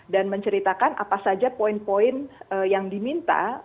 dan menceritakan apa saja poin poin yang diminta